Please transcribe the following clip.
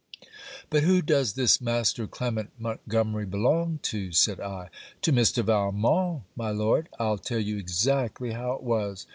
'But who does this Master Clement Montgomery belong to?' said I. 'To Mr. Valmont, my Lord. I'll tell you exactly how it was.